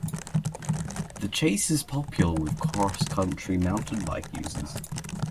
The Chase is popular with cross-country mountain bike users.